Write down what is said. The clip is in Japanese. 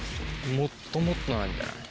もっともっとなんじゃない？